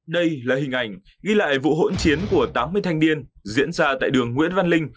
đây là hình ảnh ghi lại vụ hỗn chiến của tám mươi thanh niên diễn ra tại đường nguyễn văn linh